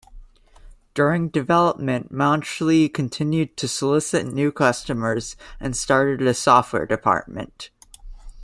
During development Mauchly continued to solicit new customers and started a software department.